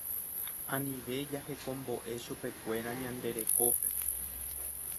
Anive jahekomboʼe chupekuéra ñande rekópe.